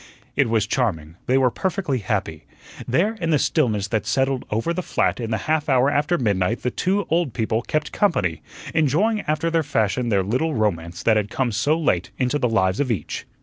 It was charming; they were perfectly happy. There in the stillness that settled over the flat in the half hour after midnight the two old people "kept company," enjoying after their fashion their little romance that had come so late into the lives of each.